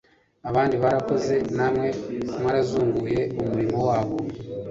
abandi barakoze na mwe mwazuruguye umurimo wabo."